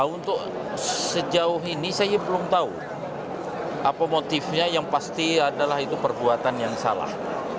untuk sejauh ini saya belum tahu apa motifnya yang pasti adalah itu perbuatan yang salah